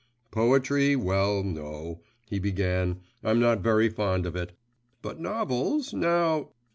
'Poetry; well, no,' he began; 'I'm not very fond of it; but novels, now.